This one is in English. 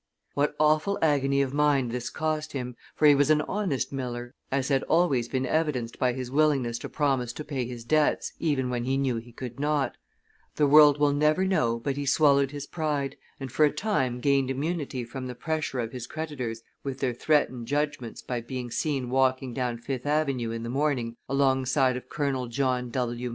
What awful agony of mind this cost him for he was an honest miller, as had always been evidenced by his willingness to promise to pay his debts even when he knew he could not the world will never know, but he swallowed his pride, and for a time gained immunity from the pressure of his creditors with their threatened judgments by being seen walking down Fifth Avenue in the morning alongside of Colonel John W.